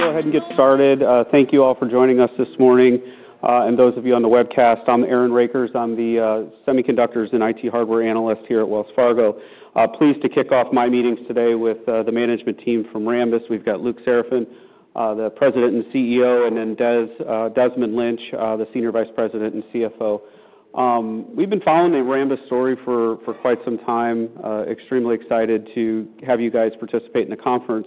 Let me go ahead and get started. Thank you all for joining us this morning. And those of you on the webcast, I'm Aaron Rakers. I'm the semiconductors and IT hardware analyst here at Wells Fargo. Pleased to kick off my meetings today with the management team from Rambus. We've got Luc Seraphin, the President and CEO, and then Des—uh, Desmond Lynch, the Senior Vice President and CFO. We've been following the Rambus story for quite some time. Extremely excited to have you guys participate in the conference.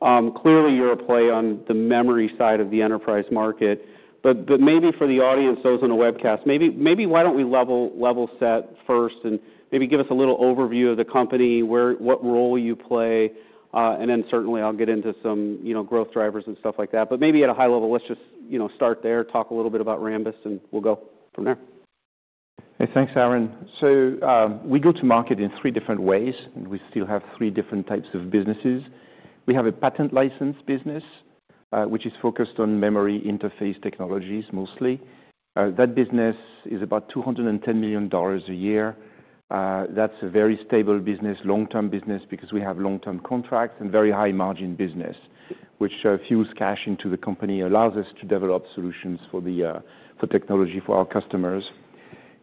Clearly you're a play on the memory side of the enterprise market. But maybe for the audience, those on a webcast, maybe, maybe why don't we level set first and maybe give us a little overview of the company, where, what role you play. And then certainly I'll get into some, you know, growth drivers and stuff like that. Maybe at a high level, let's just, you know, start there, talk a little bit about Rambus, and we'll go from there. Hey, thanks, Aaron. We go to market in three different ways, and we still have three different types of businesses. We have a patent license business, which is focused on memory interface technologies mostly. That business is about $210 million a year. That is a very stable business, long-term business, because we have long-term contracts and very high-margin business, which fuels cash into the company, allows us to develop solutions for the, for technology for our customers.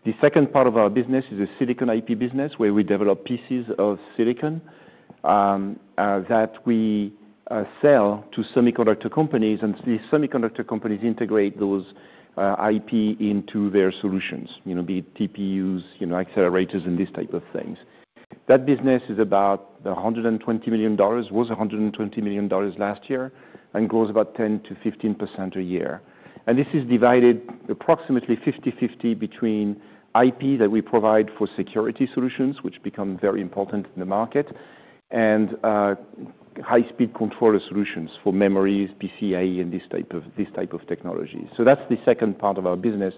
The second part of our business is a silicon IP business where we develop pieces of silicon, that we sell to semiconductor companies, and these semiconductor companies integrate those IP into their solutions, you know, be it TPUs, you know, accelerators, and these types of things. That business is about $120 million, was $120 million last year, and grows about 10%-15% a year. This is divided approximately 50/50 between IP that we provide for security solutions, which become very important in the market, and high-speed controller solutions for memories, PCIe, and this type of technology. That is the second part of our business.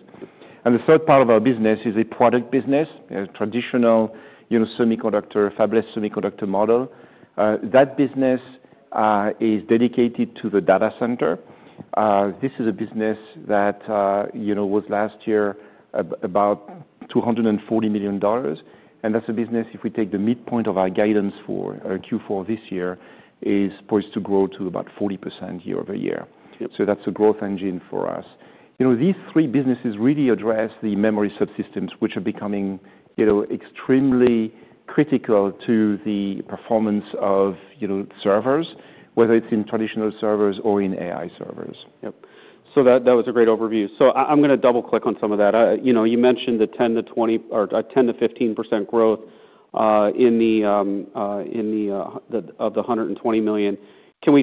The third part of our business is a product business, a traditional, you know, semiconductor, fabless semiconductor model. That business is dedicated to the data center. This is a business that, you know, was last year about $240 million. That is a business, if we take the midpoint of our guidance for Q4 this year, is poised to grow to about 40% year-over-year. Yep. That's a growth engine for us. You know, these three businesses really address the memory subsystems, which are becoming, you know, extremely critical to the performance of, you know, servers, whether it's in traditional servers or in AI servers. Yep. That was a great overview. I'm gonna double-click on some of that. You know, you mentioned the 10%-20% or 10%-15% growth in the $120 million. Can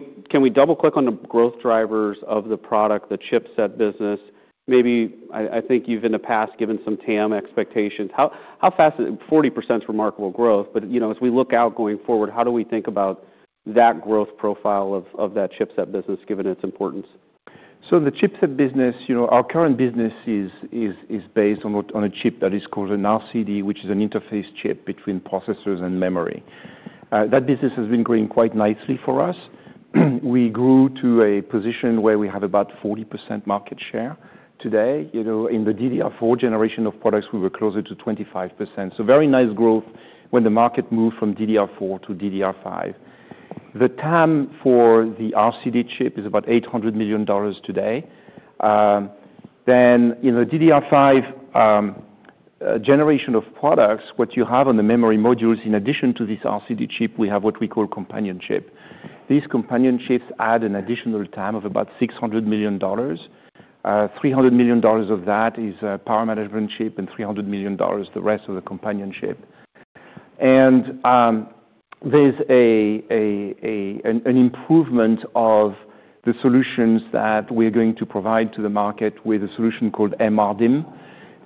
we double-click on the growth drivers of the product, the chipset business? Maybe I think you've, in the past, given some TAM expectations. How fast is 40%'s remarkable growth, but, you know, as we look out going forward, how do we think about that growth profile of that chipset business, given its importance? The chipset business, you know, our current business is based on a chip that is called an RCD, which is an interface chip between processors and memory. That business has been growing quite nicely for us. We grew to a position where we have about 40% market share today. You know, in the DDR4 generation of products, we were closer to 25%. Very nice growth when the market moved from DDR4 to DDR5. The TAM for the RCD chip is about $800 million today. You know, DDR5 generation of products, what you have on the memory modules, in addition to this RCD chip, we have what we call companion chip. These companion chips add an additional TAM of about $600 million. $300 million of that is a power management chip, and $300 million, the rest of the companion chip. There is an improvement of the solutions that we're going to provide to the market with a solution called MRDIMM.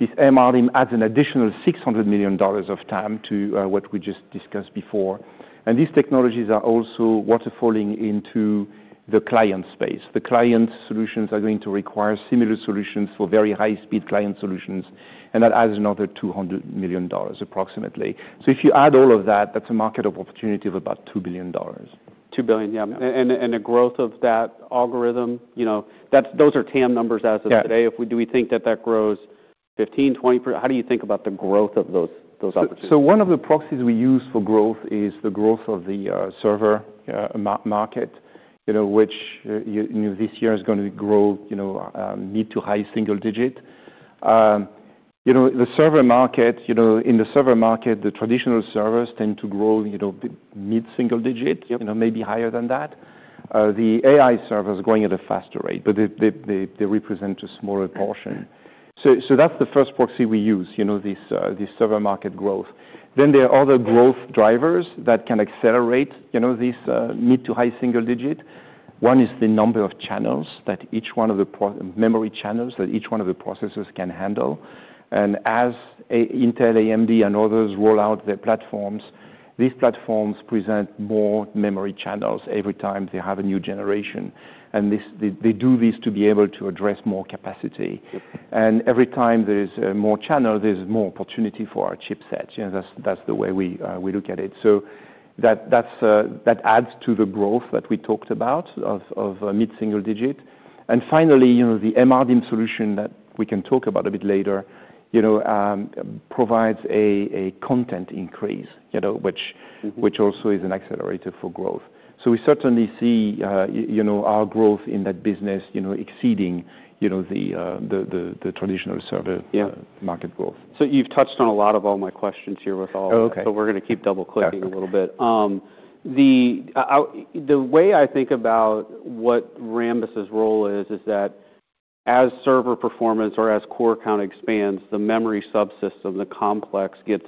This MRDIMM adds an additional $600 million of TAM to what we just discussed before. These technologies are also waterfalling into the client space. The client solutions are going to require similar solutions for very high-speed client solutions, and that adds another $200 million approximately. If you add all of that, that's a market of opportunity of about $2 billion. $2 billion, yeah. And the growth of that algorithm, you know, those are TAM numbers as of today. Yep. If we do, we think that grows 15%-20%. How do you think about the growth of those opportunities? One of the proxies we use for growth is the growth of the server market, you know, which, you know, this year is gonna grow, you know, mid to high single digit. You know, the server market, you know, in the server market, the traditional servers tend to grow, you know, mid-single digit. Yep. You know, maybe higher than that. The AI servers are growing at a faster rate, but they represent a smaller portion. That's the first proxy we use, you know, this server market growth. There are other growth drivers that can accelerate, you know, this mid to high single digit. One is the number of channels that each one of the pro memory channels that each one of the processors can handle. As Intel, AMD, and others roll out their platforms, these platforms present more memory channels every time they have a new generation. They do this to be able to address more capacity. Yep. Every time there is more channel, there is more opportunity for our chipsets. You know, that is the way we look at it. That adds to the growth that we talked about of mid-single digit. Finally, the MRDIMM solution that we can talk about a bit later provides a content increase, you know, which. Mm-hmm. Which also is an accelerator for growth. We certainly see, you know, our growth in that business, you know, exceeding the traditional server market growth. You've touched on a lot of all my questions here with all of. Oh, okay. We're gonna keep double-clicking a little bit. Yeah. The way I think about what Rambus's role is, is that as server performance or as core count expands, the memory subsystem, the complex, gets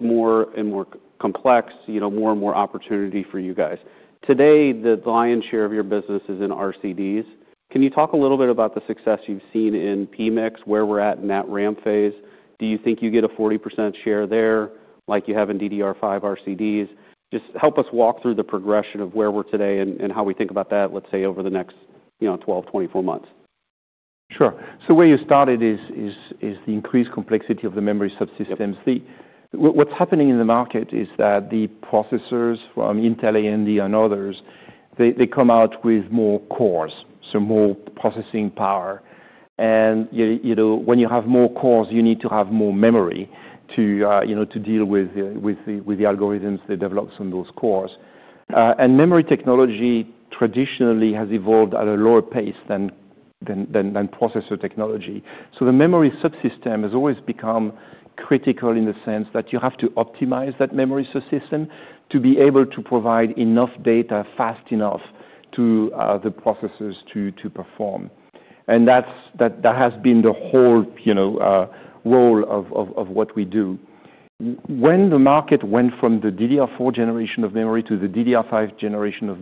more and more complex, you know, more and more opportunity for you guys. Today, the lion's share of your business is in RCDs. Can you talk a little bit about the success you've seen in PMIC, where we're at in that RAM phase? Do you think you get a 40% share there like you have in DDR5 RCDs? Just help us walk through the progression of where we're today and how we think about that, let's say, over the next, you know, 12, 24 months. Sure. Where you started is the increased complexity of the memory subsystems. Yep. What's happening in the market is that the processors from Intel, AMD, and others, they come out with more cores, so more processing power. You know, when you have more cores, you need to have more memory to, you know, to deal with the algorithms that develop some of those cores. Memory technology traditionally has evolved at a lower pace than processor technology. The memory subsystem has always become critical in the sense that you have to optimize that memory subsystem to be able to provide enough data fast enough to the processors to perform. That has been the whole, you know, role of what we do. When the market went from the DDR4 generation of memory to the DDR5 generation of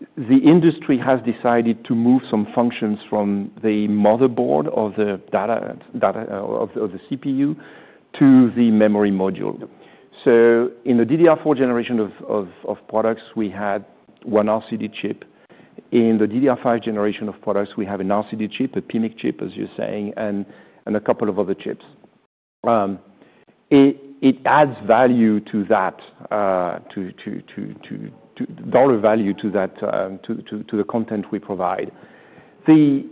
memory, the industry has decided to move some functions from the motherboard or the data, or the CPU to the memory module. Yep. In the DDR4 generation of products, we had one RCD chip. In the DDR5 generation of products, we have an RCD chip, a PMIC chip, as you're saying, and a couple of other chips. It adds value to that dollar value to the content we provide. The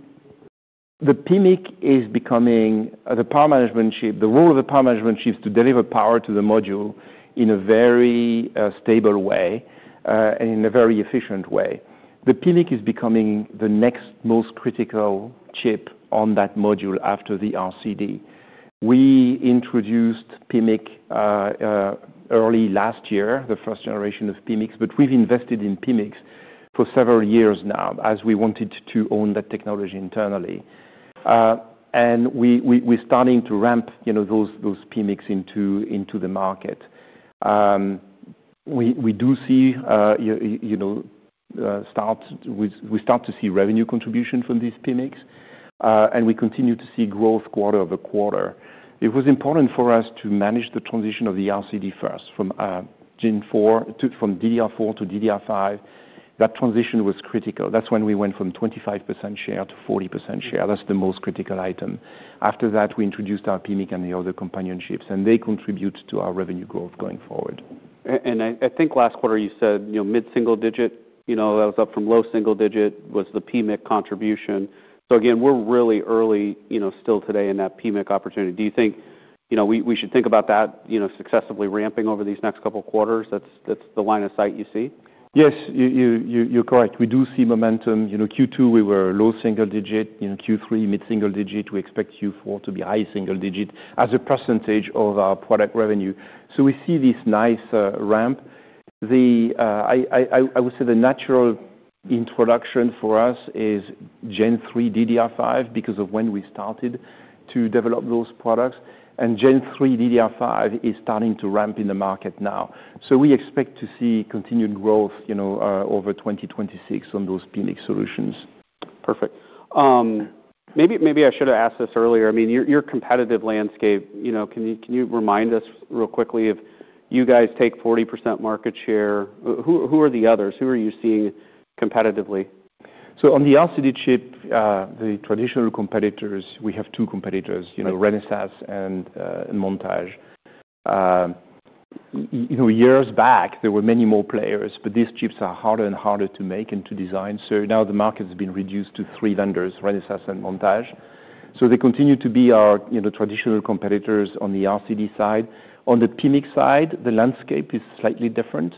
PMIC is becoming the power management chip, the role of the power management chip is to deliver power to the module in a very stable way, and in a very efficient way. The PMIC is becoming the next most critical chip on that module after the RCD. We introduced PMIC early last year, the first generation of PMIC, but we've invested in PMIC for several years now as we wanted to own that technology internally. We're starting to ramp, you know, those PMICs into the market. We do see, you know, we start to see revenue contribution from these PMICs, and we continue to see growth quarter-over-quarter. It was important for us to manage the transition of the RCD first from DDR4 to DDR5. That transition was critical. That's when we went from 25% share to 40% share. That's the most critical item. After that, we introduced our PMICs and the other companion chips, and they contribute to our revenue growth going forward. And I think last quarter you said, you know, mid-single digit, you know, that was up from low single digit was the PMIC contribution. So again, we're really early, you know, still today in that PMIC opportunity. Do you think, you know, we should think about that, you know, successfully ramping over these next couple of quarters? That's the line of sight you see? Yes. You're correct. We do see momentum. You know, Q2 we were low single digit. You know, Q3 mid-single digit. We expect Q4 to be high single digit as a percentage of our product revenue. We see this nice ramp. I would say the natural introduction for us is Gen 3 DDR5 because of when we started to develop those products. Gen 3 DDR5 is starting to ramp in the market now. We expect to see continued growth, you know, over 2026 on those PMIC solutions. Perfect. Maybe, maybe I should've asked this earlier. I mean, your competitive landscape, you know, can you remind us real quickly, you guys take 40% market share? Who are the others? Who are you seeing competitively? On the RCD chip, the traditional competitors, we have two competitors, you know. Yep. Renesas and Montage. You know, years back, there were many more players, but these chips are harder and harder to make and to design. Now the market's been reduced to three vendors: Renesas and Montage. They continue to be our, you know, traditional competitors on the RCD side. On the PMIC side, the landscape is slightly different.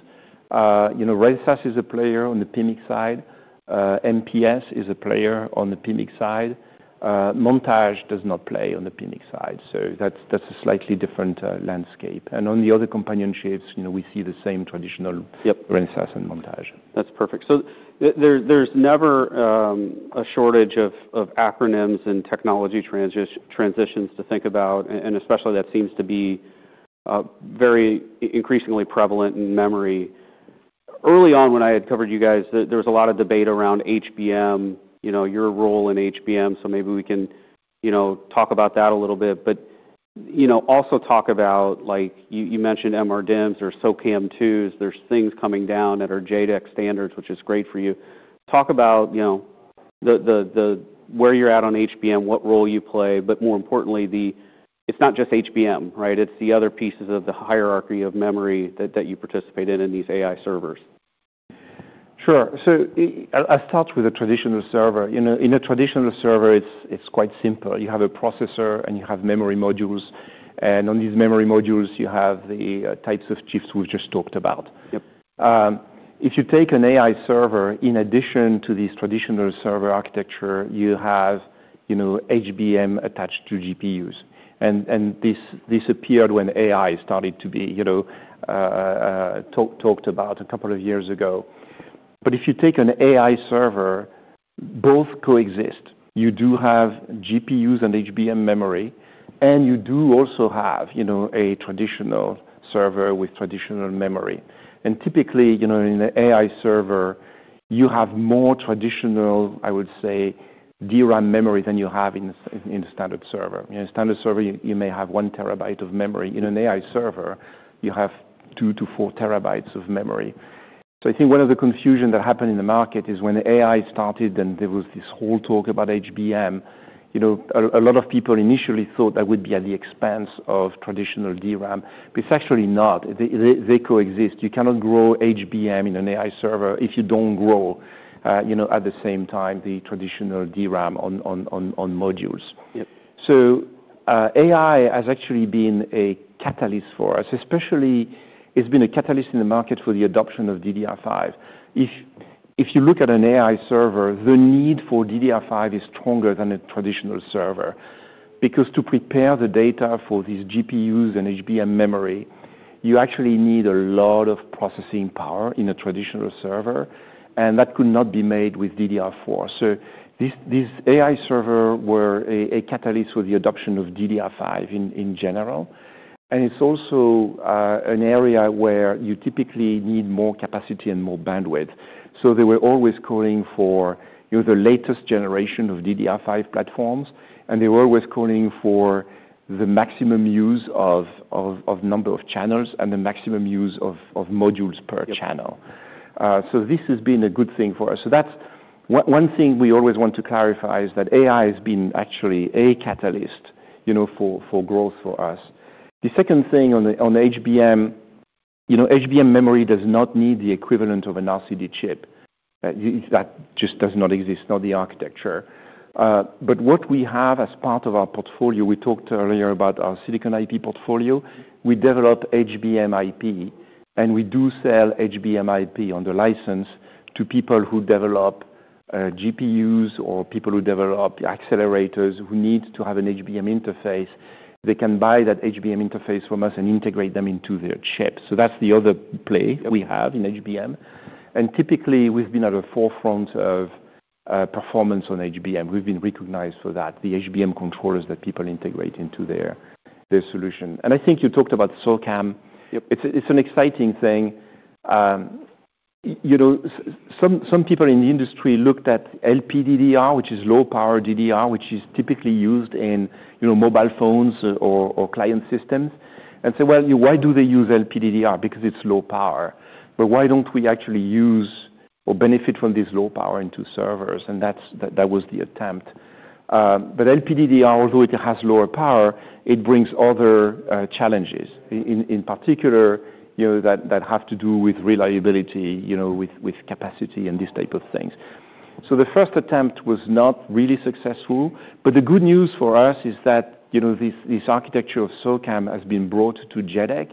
You know, Renesas is a player on the PMIC side. MPS is a player on the PMIC side. Montage does not play on the PMIC side. That's a slightly different landscape. On the other companion chips, you know, we see the same traditional. Yep. Renesas and Montage. That's perfect. There's never a shortage of acronyms and technology transitions to think about, and especially that seems to be very increasingly prevalent in memory. Early on when I had covered you guys, there was a lot of debate around HBM, you know, your role in HBM, so maybe we can, you know, talk about that a little bit. You know, also talk about, like, you mentioned MRDIMMs. There's SOCAMM2s. There are things coming down that are JEDEC standards, which is great for you. Talk about, you know, where you're at on HBM, what role you play, but more importantly, it's not just HBM, right? It's the other pieces of the hierarchy of memory that you participate in, in these AI servers. Sure. I'll start with the traditional server. You know, in a traditional server, it's quite simple. You have a processor, and you have memory modules. And on these memory modules, you have the types of chips we've just talked about. Yep. If you take an AI server, in addition to this traditional server architecture, you have, you know, HBM attached to GPUs. This appeared when AI started to be, you know, talked about a couple of years ago. If you take an AI server, both coexist. You do have GPUs and HBM memory, and you do also have, you know, a traditional server with traditional memory. Typically, you know, in an AI server, you have more traditional, I would say, DRAM memory than you have in the standard server. In a standard server, you may have 1 TB of memory. In an AI server, you have 2 TB-4 TB of memory. I think one of the confusions that happened in the market is when AI started, and there was this whole talk about HBM, you know, a lot of people initially thought that would be at the expense of traditional DRAM, but it's actually not. They coexist. You cannot grow HBM in an AI server if you don't grow, you know, at the same time the traditional DRAM on modules. Yep. AI has actually been a catalyst for us, especially it's been a catalyst in the market for the adoption of DDR5. If you look at an AI server, the need for DDR5 is stronger than a traditional server because to prepare the data for these GPUs and HBM memory, you actually need a lot of processing power in a traditional server, and that could not be made with DDR4. This AI server was a catalyst for the adoption of DDR5 in general. It's also an area where you typically need more capacity and more bandwidth. They were always calling for the latest generation of DDR5 platforms, and they were always calling for the maximum use of number of channels and the maximum use of modules per channel. Yep. This has been a good thing for us. That's one thing we always want to clarify, is that AI has been actually a catalyst, you know, for growth for us. The second thing on the HBM, you know, HBM memory does not need the equivalent of an RCD chip. That just does not exist, not the architecture. What we have as part of our portfolio, we talked earlier about our silicon IP portfolio. We develop HBM IP, and we do sell HBM IP on the license to people who develop GPUs or people who develop accelerators who need to have an HBM interface. They can buy that HBM interface from us and integrate them into their chips. That's the other play we have in HBM. Typically, we've been at the forefront of performance on HBM. We've been recognized for that, the HBM controllers that people integrate into their, their solution. I think you talked about SOCAMM. Yep. It's an exciting thing. You know, some people in the industry looked at LPDDR, which is low-power DDR, which is typically used in, you know, mobile phones or client systems, and said, "You know, why do they use LPDDR? Because it's low power. But why don't we actually use or benefit from this low power into servers?" That was the attempt. LPDDR, although it has lower power, brings other challenges, in particular, you know, that have to do with reliability, with capacity, and these type of things. The first attempt was not really successful. The good news for us is that this architecture of SOCAMM has been brought to JEDEC.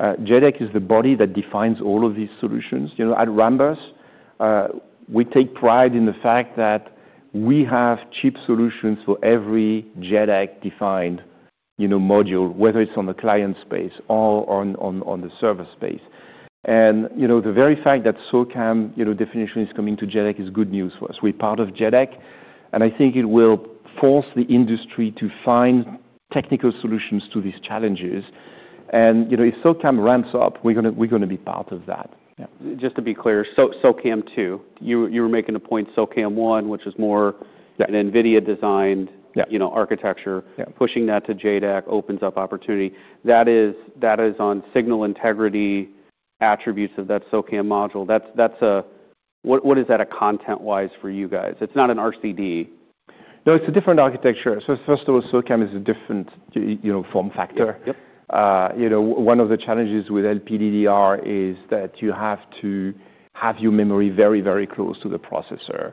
JEDEC is the body that defines all of these solutions. You know, at Rambus, we take pride in the fact that we have chip solutions for every JEDEC-defined, you know, module, whether it's on the client space or on the server space. You know, the very fact that SOCAMM, you know, definition is coming to JEDEC is good news for us. We're part of JEDEC, and I think it will force the industry to find technical solutions to these challenges. You know, if SOCAMM ramps up, we're gonna be part of that. Yeah. Just to be clear, SOCAMM2, you were making a point, SOCAMM1, which is more. Yep. An NVIDIA-designed. Yep. You know, architecture. Yep. Pushing that to JEDEC opens up opportunity. That is on signal integrity attributes of that SOCAMM module. That's, what is that content-wise for you guys? It's not an RCD. No, it's a different architecture. First of all, SOCAMM is a different, you know, form factor. Yep. You know, one of the challenges with LPDDR is that you have to have your memory very, very close to the processor.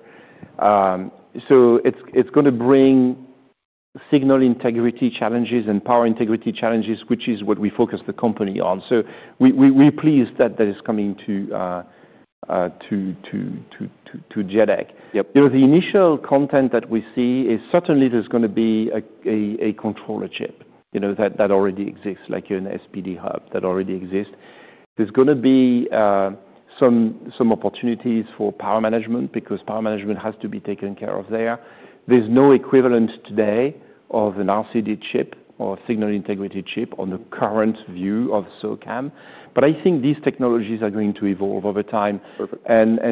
It's gonna bring signal integrity challenges and power integrity challenges, which is what we focus the company on. We're pleased that that is coming to JEDEC. Yep. You know, the initial content that we see is certainly there's gonna be a controller chip, you know, that already exists, like an SPD hub that already exists. There's gonna be some opportunities for power management because power management has to be taken care of there. There's no equivalent today of an RCD chip or a signal integrity chip on the current view of SOCAMM. I think these technologies are going to evolve over time. Perfect.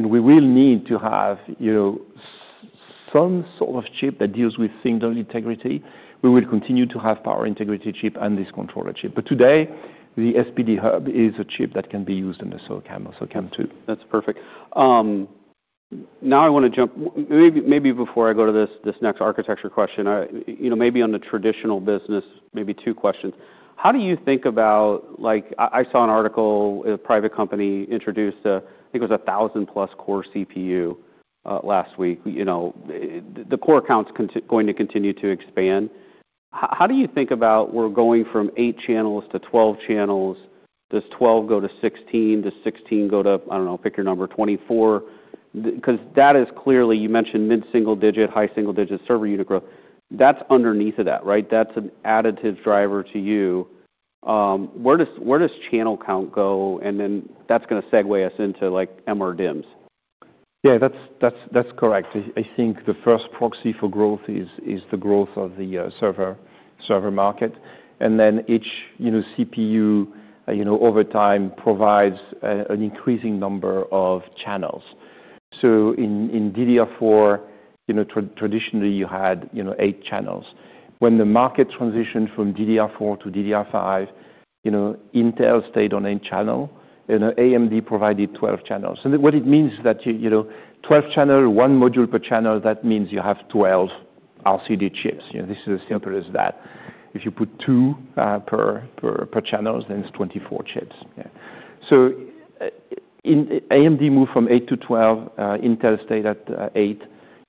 We will need to have, you know, some sort of chip that deals with signal integrity. We will continue to have power integrity chip and this controller chip. Today, the SPD hub is a chip that can be used in the SOCAMM or SOCAMM2. That's perfect. Now I wanna jump, maybe before I go to this next architecture question, you know, maybe on the traditional business, maybe two questions. How do you think about, like, I saw an article, a private company introduced a, I think it was a thousand-plus core CPU last week. You know, the core counts are going to continue to expand. How do you think about we're going from 8 channels to 12 channels? Does 12 go to 16? Does 16 go to, I don't know, pick your number, 24? Because that is clearly, you mentioned mid-single digit, high single digit server unit growth. That's underneath of that, right? That's an additive driver to you. Where does channel count go? And then that's gonna segue us into, like, MRDIMMs. Yeah, that's correct. I think the first proxy for growth is the growth of the server market. And then each, you know, CPU, you know, over time provides an increasing number of channels. In DDR4, you know, traditionally, you had, you know, 8 channels. When the market transitioned from DDR4 to DDR5, you know, Intel stayed on 8 channels, and AMD provided 12 channels. What it means is that you, you know, 12 channels, 1 module per channel, that means you have 12 RCD chips. This is as simple as that. If you put 2 per channel, then it's 24 chips. Yeah. AMD moved from 8 to 12, Intel stayed at 8.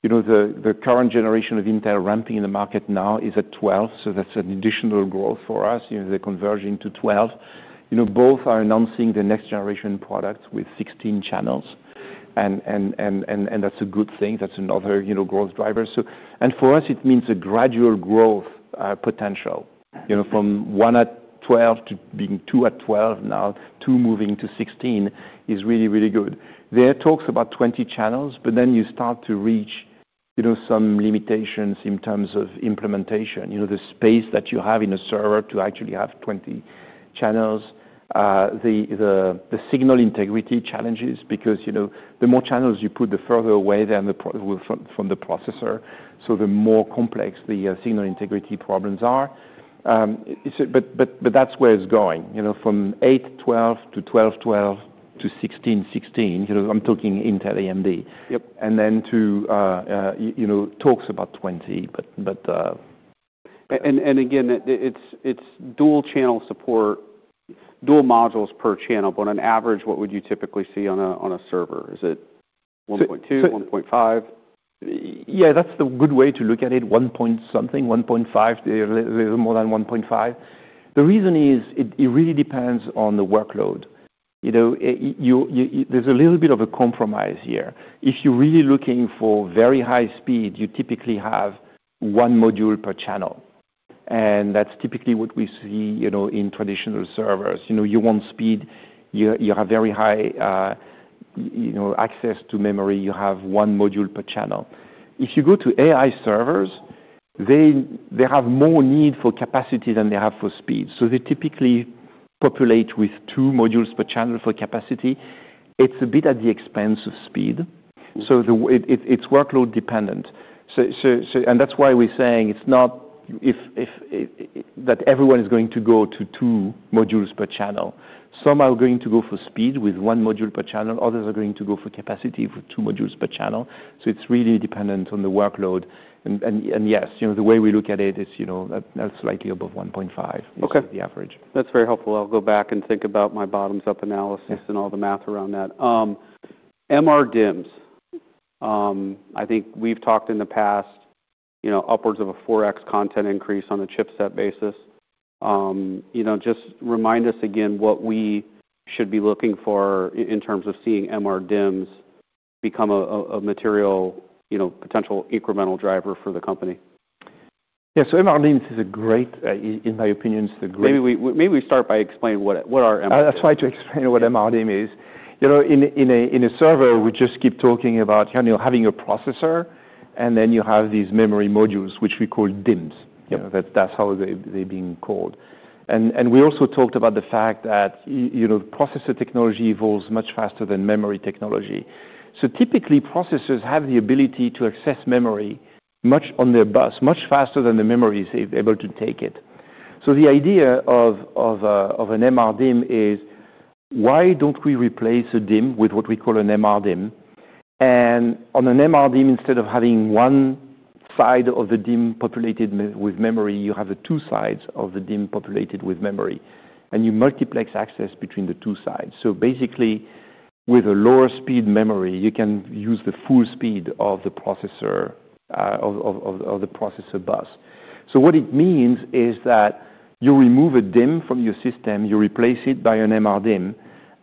The current generation of Intel ramping in the market now is at 12. That's an additional growth for us. You know, they converge into 12. You know, both are announcing the next generation product with 16 channels. And that's a good thing. That's another, you know, growth driver. For us, it means a gradual growth, potential. Yep. You know, from 1 at 12 to being 2 at 12 now, 2 moving to 16 is really, really good. There are talks about 20 channels, but then you start to reach, you know, some limitations in terms of implementation. You know, the space that you have in a server to actually have 20 channels, the signal integrity challenges because, you know, the more channels you put, the further away they're in the pro from, from the processor. So the more complex the signal integrity problems are. But that's where it's going. You know, from 8, 12 to 12, 12 to 16, 16, you know, I'm talking Intel AMD. Yep. To, you know, talks about 20, but. And again, it, it's dual channel support, dual modules per channel. But on average, what would you typically see on a server? Is it 1.2, 1.5? Yeah, that's the good way to look at it. One point something, 1.5, they're a little bit more than 1.5. The reason is it really depends on the workload. You know, if you're, there's a little bit of a compromise here. If you're really looking for very high speed, you typically have one module per channel. And that's typically what we see, you know, in traditional servers. You know, you want speed, you're a very high, you know, access to memory, you have one module per channel. If you go to AI servers, they have more need for capacity than they have for speed. So they typically populate with two modules per channel for capacity. It's a bit at the expense of speed. Mm-hmm. It is workload dependent. That is why we are saying it is not that everyone is going to go to two modules per channel. Some are going to go for speed with one module per channel. Others are going to go for capacity with two modules per channel. It is really dependent on the workload. Yes, the way we look at it is that is slightly above 1.5. Okay. Is the average. That's very helpful. I'll go back and think about my bottoms-up analysis. Yep. All the math around that. MRDIMMs, I think we've talked in the past, you know, upwards of a 4x content increase on a chipset basis. You know, just remind us again what we should be looking for in terms of seeing MRDIMMs become a material, you know, potential incremental driver for the company. Yeah, so MRDIMM is a great, in my opinion, it's a great. Maybe we start by explaining what, what are MRDIMMs? That's right, to explain what MRDIMM is. You know, in a server, we just keep talking about, you know, having a processor, and then you have these memory modules, which we call DIMMs. Yep. You know, that's how they've been called. And we also talked about the fact that, you know, processor technology evolves much faster than memory technology. Typically, processors have the ability to access memory on their bus much faster than the memory is able to take it. The idea of an MRDIMM is, why don't we replace a DIMM with what we call an MRDIMM? On an MRDIMM, instead of having one side of the DIMM populated with memory, you have the two sides of the DIMM populated with memory, and you multiplex access between the two sides. Basically, with a lower speed memory, you can use the full speed of the processor bus. What it means is that you remove a DIMM from your system, you replace it by an MRDIMM,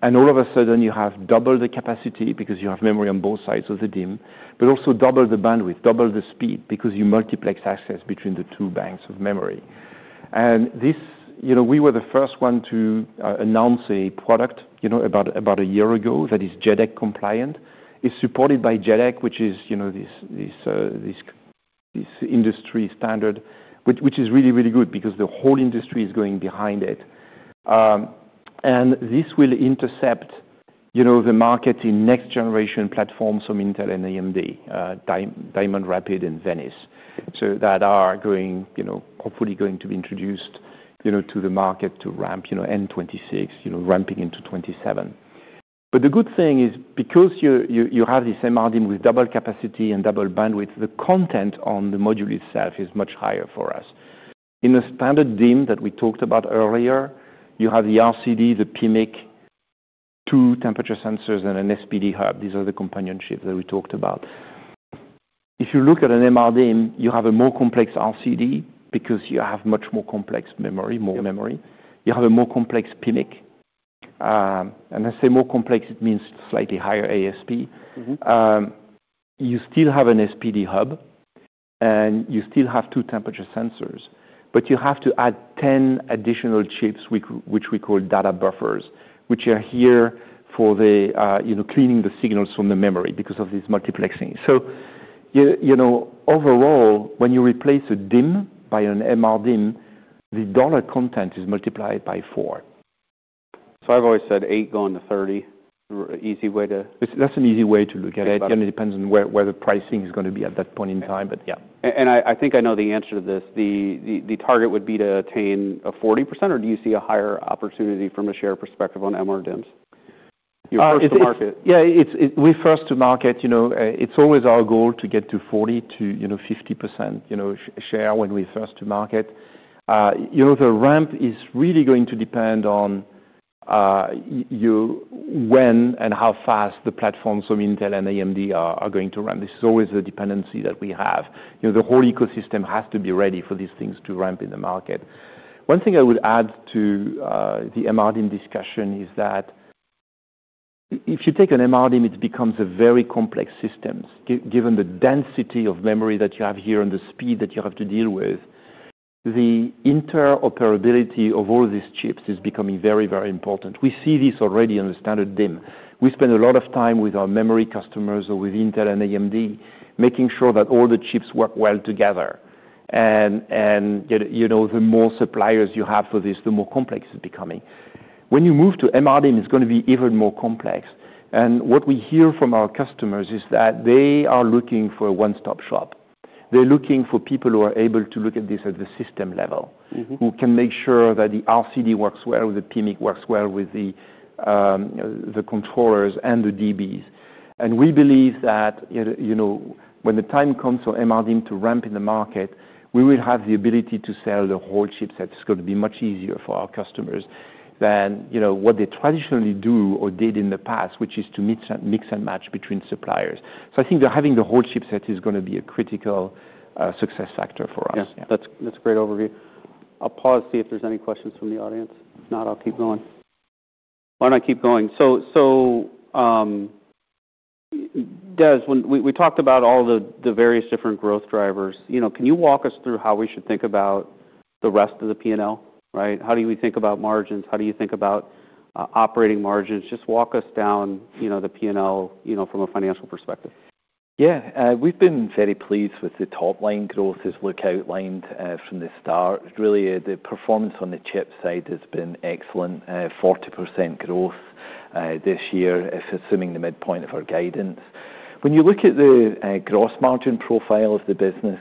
and all of a sudden, you have double the capacity because you have memory on both sides of the DIMM, but also double the bandwidth, double the speed because you multiplex access between the two banks of memory. We were the first one to announce a product about a year ago that is JEDEC compliant. It's supported by JEDEC, which is this industry standard, which is really, really good because the whole industry is going behind it. This will intercept the market in next-generation platforms from Intel and AMD, Diamond Rapids and Venice. That are going, you know, hopefully going to be introduced, you know, to the market to ramp, you know, in 2026, you know, ramping into 2027. The good thing is because you have this MRDIMM with double capacity and double bandwidth, the content on the module itself is much higher for us. In the standard DIMM that we talked about earlier, you have the RCD, the PMIC, two temperature sensors, and an SPD hub. These are the companion chips that we talked about. If you look at an MRDIMM, you have a more complex RCD because you have much more complex memory, more memory. Yep. You have a more complex PMIC. When I say more complex, it means slightly higher ASP. Mm-hmm. You still have an SPD hub, and you still have two temperature sensors. You have to add 10 additional chips, which we call data buffers, which are here for the, you know, cleaning the signals from the memory because of this multiplexing. You know, overall, when you replace a DIMM by an MRDIMM, the dollar content is multiplied by 4. I've always said 8 going to 30. Easy way to. That's an easy way to look at it. Yep. Again, it depends on where the pricing is gonna be at that point in time, but yeah. I think I know the answer to this. The target would be to attain a 40%, or do you see a higher opportunity from a share perspective on MRDIMMs? Your first-to-market. Yeah, we first-to-market, you know, it's always our goal to get to 40%-50%, you know, share when we first-to-market. You know, the ramp is really going to depend on when and how fast the platforms from Intel and AMD are going to ramp. This is always a dependency that we have. You know, the whole ecosystem has to be ready for these things to ramp in the market. One thing I would add to the MRDIMM discussion is that if you take an MRDIMM, it becomes a very complex system. Given the density of memory that you have here and the speed that you have to deal with, the interoperability of all these chips is becoming very, very important. We see this already in the standard DIMM. We spend a lot of time with our memory customers or with Intel and AMD making sure that all the chips work well together. You know, the more suppliers you have for this, the more complex it's becoming. When you move to MRDIMM, it's gonna be even more complex. What we hear from our customers is that they are looking for a one-stop shop. They're looking for people who are able to look at this at the system level. Mm-hmm. Who can make sure that the RCD works well with the PMIC, works well with the controllers and the DBs. We believe that, you know, when the time comes for MRDIMM to ramp in the market, we will have the ability to sell the whole chipset. It's gonna be much easier for our customers than, you know, what they traditionally do or did in the past, which is to mix and match between suppliers. I think that having the whole chipset is gonna be a critical success factor for us. Yep. That's a great overview. I'll pause to see if there's any questions from the audience. If not, I'll keep going. Why don't I keep going? Des, when we talked about all the various different growth drivers, you know, can you walk us through how we should think about the rest of the P&L, right? How do we think about margins? How do you think about operating margins? Just walk us down, you know, the P&L, you know, from a financial perspective. Yeah, we've been very pleased with the top-line growth as Luc outlined, from the start. Really, the performance on the chip side has been excellent, 40% growth this year, if assuming the midpoint of our guidance. When you look at the gross margin profile of the business,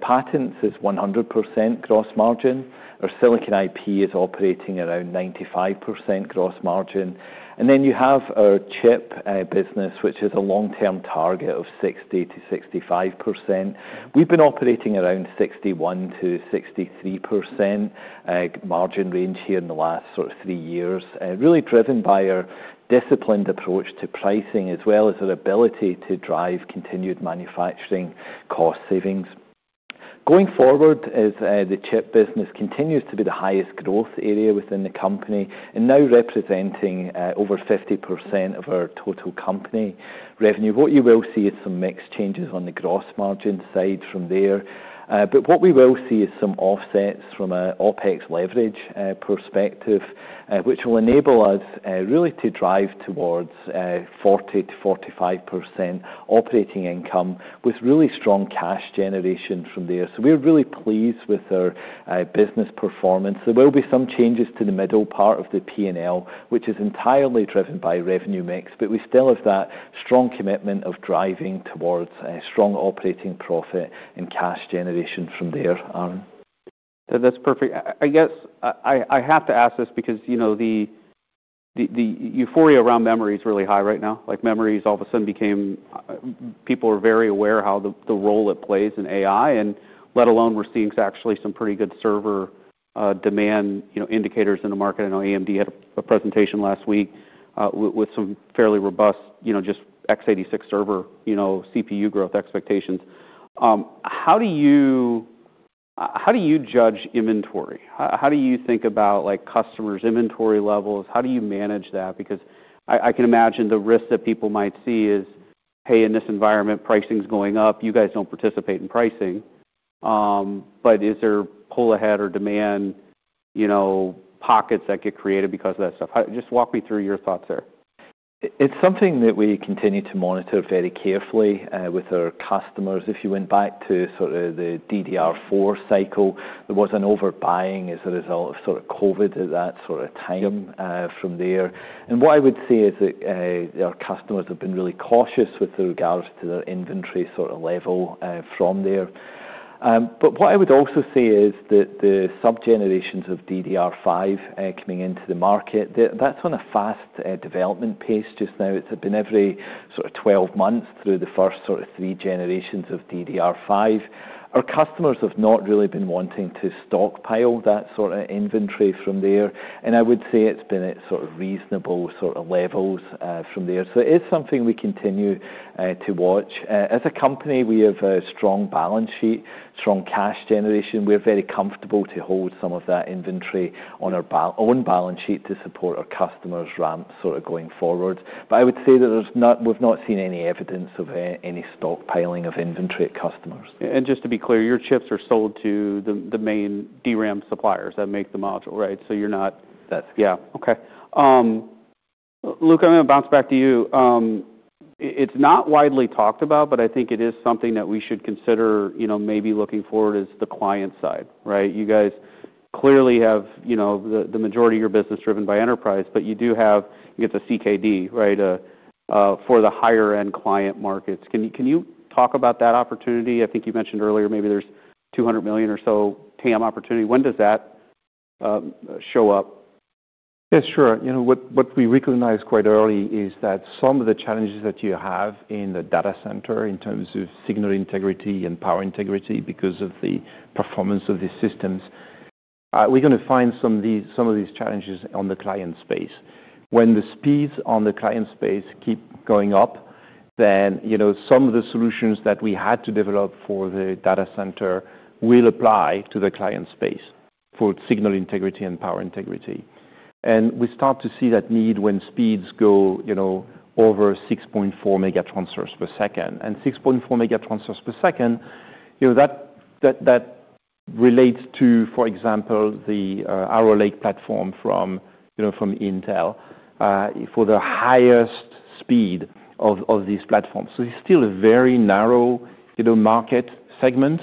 patents is 100% gross margin, our silicon IP is operating around 95% gross margin. And then you have our chip business, which is a long-term target of 60%-65%. We've been operating around 61%-63% margin range here in the last sort of three years, really driven by our disciplined approach to pricing as well as our ability to drive continued manufacturing cost savings. Going forward, as the chip business continues to be the highest growth area within the company and now representing over 50% of our total company revenue, what you will see is some mixed changes on the gross margin side from there. What we will see is some offsets from an OpEx leverage perspective, which will enable us really to drive towards 40%-45% operating income with really strong cash generation from there. We are really pleased with our business performance. There will be some changes to the middle part of the P&L, which is entirely driven by revenue mix, but we still have that strong commitment of driving towards strong operating profit and cash generation from there, Aaron. That's perfect. I guess I have to ask this because, you know, the euphoria around memory is really high right now. Like, memory's all of a sudden became, people are very aware of how the role it plays in AI, and let alone we're seeing actually some pretty good server demand, you know, indicators in the market. I know AMD had a presentation last week, with some fairly robust, you know, just x86 server, you know, CPU growth expectations. How do you judge inventory? How do you think about, like, customers' inventory levels? How do you manage that? Because I can imagine the risk that people might see is, "Hey, in this environment, pricing's going up. You guys don't participate in pricing." but is there pull ahead or demand, you know, pockets that get created because of that stuff? How, just walk me through your thoughts there. It's something that we continue to monitor very carefully, with our customers. If you went back to sort of the DDR4 cycle, there was an overbuying as a result of sort of COVID at that sort of time, from there. What I would say is that our customers have been really cautious with regards to their inventory sort of level, from there. What I would also say is that the sub-generations of DDR5, coming into the market, that's on a fast, development pace just now. It's been every 12 months through the first three generations of DDR5. Our customers have not really been wanting to stockpile that sort of inventory from there. I would say it's been at reasonable sort of levels, from there. It is something we continue to watch. As a company, we have a strong balance sheet, strong cash generation. We're very comfortable to hold some of that inventory on our own balance sheet to support our customers' ramp sort of going forward. I would say that we've not seen any evidence of any stockpiling of inventory at customers. And just to be clear, your chips are sold to the main DRAM suppliers that make the module, right? So you're not. That's correct. Yeah. Okay. Luc, I'm gonna bounce back to you. It's not widely talked about, but I think it is something that we should consider, you know, maybe looking forward is the client side, right? You guys clearly have, you know, the majority of your business driven by enterprise, but you do have, you get the CKD, right, for the higher-end client markets. Can you talk about that opportunity? I think you mentioned earlier maybe there's $200 million or so TAM opportunity. When does that show up? Yeah, sure. You know, what we recognize quite early is that some of the challenges that you have in the data center in terms of signal integrity and power integrity because of the performance of these systems, we're gonna find some of these challenges on the client space. When the speeds on the client space keep going up, then, you know, some of the solutions that we had to develop for the data center will apply to the client space for signal integrity and power integrity. You start to see that need when speeds go, you know, over 6.4 gigatransfers per second. And 6.4 gigatransfers per second, you know, that relates to, for example, the Arrow Lake platform from, you know, from Intel, for the highest speed of these platforms. It's still a very narrow, you know, market segment,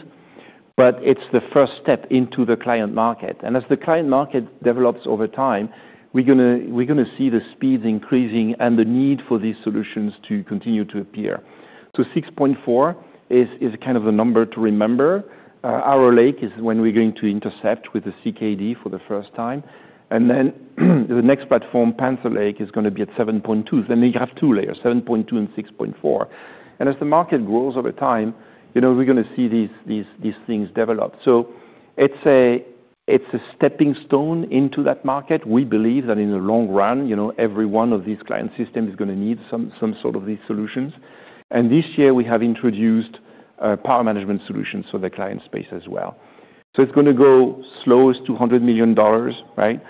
but it's the first step into the client market. As the client market develops over time, we're gonna see the speeds increasing and the need for these solutions to continue to appear. 6.4 is kind of the number to remember. Arrow Lake is when we're going to intercept with the CKD for the first time. The next platform, Panther Lake, is gonna be at 7.2. You have two layers, 7.2 and 6.4. As the market grows over time, you know, we're gonna see these things develop. It's a stepping stone into that market. We believe that in the long run, you know, every one of these client systems is gonna need some sort of these solutions. This year, we have introduced power management solutions for the client space as well. It's gonna go slowest to $100 million, right?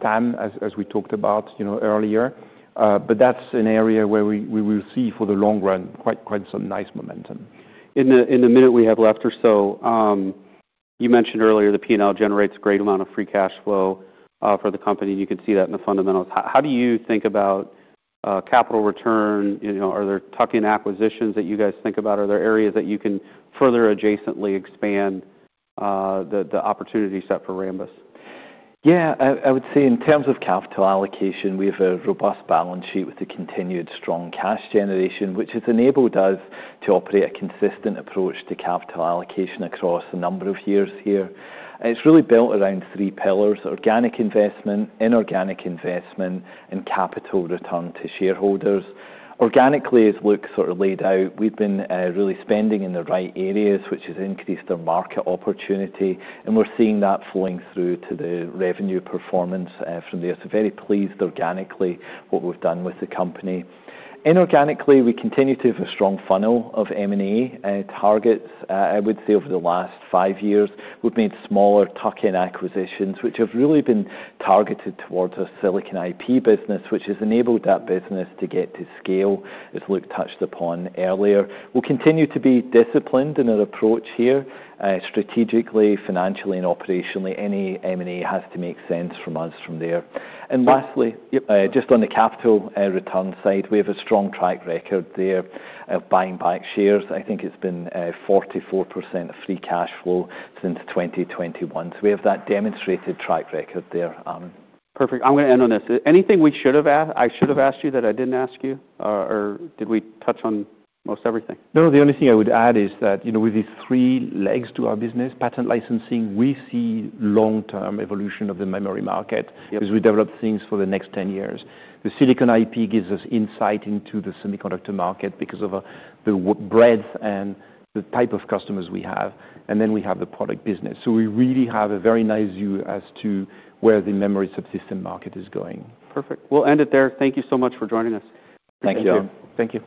TAM, as we talked about, you know, earlier. That's an area where we will see for the long run quite, quite some nice momentum. In the minute we have left or so, you mentioned earlier the P&L generates a great amount of free cash flow for the company. You can see that in the fundamentals. How do you think about capital return? You know, are there tuck-in acquisitions that you guys think about? Are there areas that you can further adjacently expand the opportunity set for Rambus? Yeah, I would say in terms of capital allocation, we have a robust balance sheet with a continued strong cash generation, which has enabled us to operate a consistent approach to capital allocation across a number of years here. It's really built around three pillars: organic investment, inorganic investment, and capital return to shareholders. Organically, as Luc sort of laid out, we've been really spending in the right areas, which has increased our market opportunity. We're seeing that flowing through to the revenue performance from there. Very pleased organically what we've done with the company. Inorganically, we continue to have a strong funnel of M&A targets. I would say over the last five years, we've made smaller tuck-in acquisitions, which have really been targeted towards our silicon IP business, which has enabled that business to get to scale, as Luc touched upon earlier. We'll continue to be disciplined in our approach here, strategically, financially, and operationally. Any M&A has to make sense for Rambus from there. Lastly, just on the capital return side, we have a strong track record there of buying back shares. I think it's been 44% free cash flow since 2021. We have that demonstrated track record there, Aaron. Perfect. I'm gonna end on this. Is there anything we should have, I should have asked you that I didn't ask you? Or did we touch on most everything? No, the only thing I would add is that, you know, with these three legs to our business, patent licensing, we see long-term evolution of the memory market. Yep. As we develop things for the next 10 years. The silicon IP gives us insight into the semiconductor market because of the breadth and the type of customers we have. And then we have the product business. So we really have a very nice view as to where the memory subsystem market is going. Perfect. We'll end it there. Thank you so much for joining us. Thank you. Thank you. Thank you.